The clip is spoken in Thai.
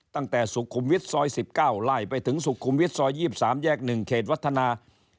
ตั้งแต่สุขุมวิทย์ซอย๑๙ไล่ไปถึงสุขุมวิทย์ซอย๒๓แยก๑เขตวัฒนา